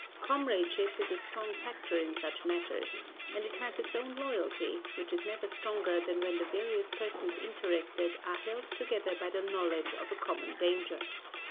Comradeship is a strong factor in such matters, and it has its own loyalty, which is never stronger than when the various persons interested are held together by the knowledge of a common danger.